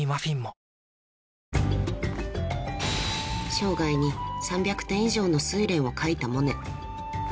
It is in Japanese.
［生涯に３００点以上の『睡蓮』を描いたモネ］